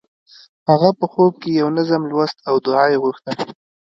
هغه په خوب کې یو نظم لوست او دعا یې غوښته